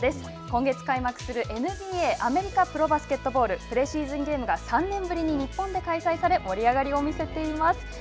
今月開幕するＮＢＡ＝アメリカプロバスケットボールプレシーズンゲームが３年ぶりに日本で開催され盛り上がりを見せています。